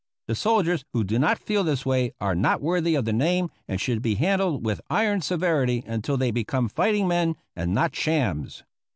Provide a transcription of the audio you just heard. The soldiers who do not feel this way are not worthy of the name and should be handled with iron severity until they become fighting men and not shams.